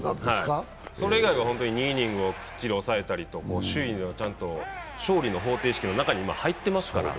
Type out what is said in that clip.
それ以外は２イニングをきっちりと抑えたりと、首位の勝利の方程式の中にちゃんと入ってますから。